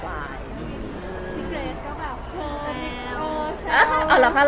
พี่เกรสก็แบบเธอพี่โกแซล